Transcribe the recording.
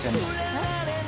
えっ？